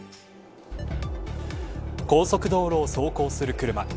高速道路を走行する車。